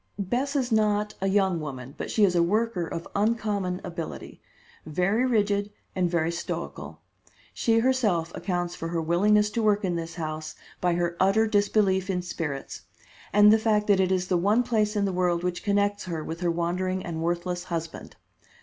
"Bess is not a young woman, but she is a worker of uncommon ability, very rigid and very stoical. She herself accounts for her willingness to work in this house by her utter disbelief in spirits, and the fact that it is the one place in the world which connects her with her wandering and worthless husband.